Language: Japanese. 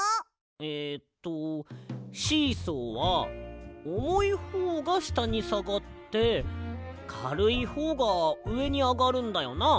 えっとシーソーはおもいほうがしたにさがってかるいほうがうえにあがるんだよな？